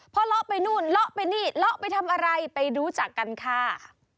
เพราะเลาะไปนู่นเลาะไปนี่เลาะไปทำอะไรไปรู้จักกันค่ะ